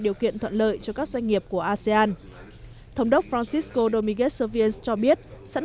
điều kiện thuận lợi cho các doanh nghiệp của asean thông đốc francisco domínguez servien cho biết sẵn